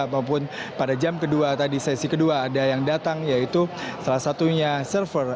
maupun pada jam kedua tadi sesi kedua ada yang datang yaitu salah satunya server